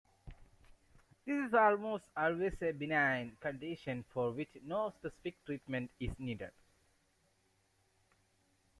This is almost always a benign condition for which no specific treatment is needed.